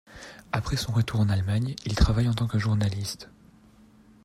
Après son retour en Allemagne, il travaille en tant que journaliste.